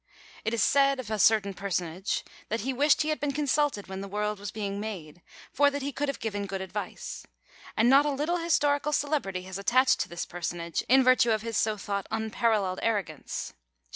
It is said of a certain personage, that he wished he had been consulted when the world was being made, for that he could have given good advice; and not a little historical celebrity has attached to this personage, ill virtue of his so thought unparalleled arrogance.